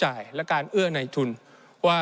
ในช่วงที่สุดในรอบ๑๖ปี